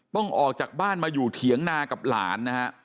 ออกจากบ้านมาอยู่เถียงนากับหลานนะฮะ